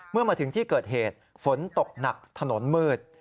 เมื่อมาถึงที่เกิดเหตุฝนตกหนักถนนมืด